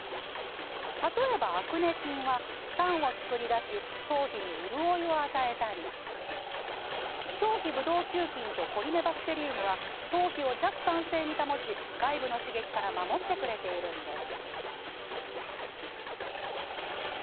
例えば、アクネ菌は酸を作り出し頭皮に潤いを与えたり表皮ブドウ球菌とコリネバクテリウムは頭皮を弱酸性に保ち外部の刺激から守ってくれているんです。